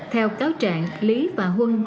theo cáo trạng lý và huân